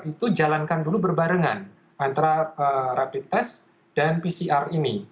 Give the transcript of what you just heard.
itu jalankan dulu berbarengan antara rapid test dan pcr ini